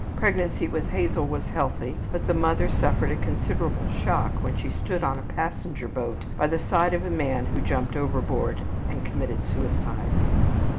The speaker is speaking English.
Pregnancy with Hazel was healthy, but the mother suffered a considerable shock when she stood on a passenger boat by the side of a man who jumped overboard and committed suicide.